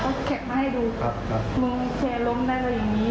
ก็แขกมาให้ดูครับครับมึงแชร์ล้มได้เลยอย่างงี้